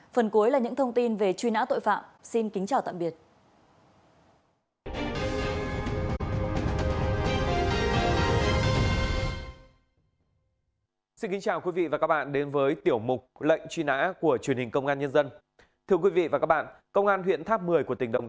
phần cuối là những thông tin về truy nã tội phạm xin kính chào tạm biệt